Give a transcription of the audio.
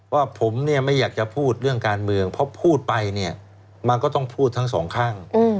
ว่าผมเนี่ยไม่อยากจะพูดเรื่องการเมืองเพราะพูดไปเนี่ยมันก็ต้องพูดทั้งสองข้าง